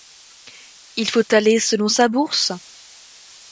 Il faut aller selon sa bourse.